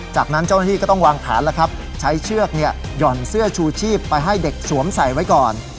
จากนั้นเจ้าหน้าที่ก็ต้องวางแผนแล้วครับใช้เชือกหย่อนเสื้อชูชีพไปให้เด็กสวมใส่ไว้ก่อน